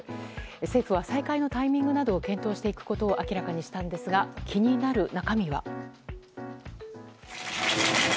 政府は再開のタイミングなどを検討していくことを明らかにしたんですが気になる中身は。